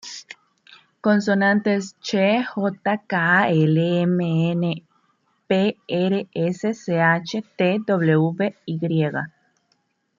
Consonantes: ch, j, k, l, m, n, p, r, s, sh, t, w, y.